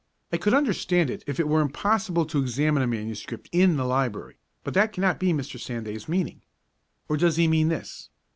I could understand it if it were impossible to examine a MS. in the library; but that cannot be Mr. Sanday's meaning. Or does he mean this?